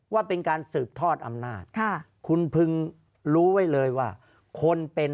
ว่าเป็นการสืบทอดอำนาจคุณพึงรู้ไว้เลยว่าคนเป็น